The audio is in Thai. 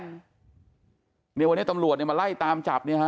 เดี๋ยววันนี้ตำรวจมาไล่ตามจับ